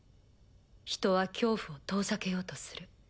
人は恐怖を遠ざけようとする。